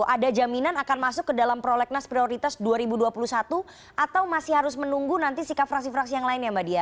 ada jaminan akan masuk ke dalam prolegnas prioritas dua ribu dua puluh satu atau masih harus menunggu nanti sikap fraksi fraksi yang lain ya mbak dia